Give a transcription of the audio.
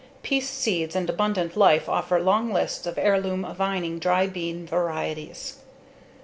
Peace Seeds and Abundant Life offer long lists of heirloom vining dry bean varieties.